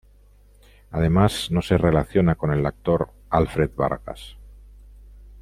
Además no se relaciona con el actor Alfred Vargas.